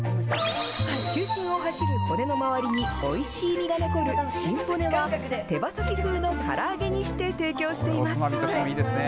中心を走る骨の周りにおいしい身が残る芯骨は手羽先風のから揚げにして提供しています。